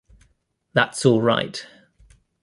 That’s all right.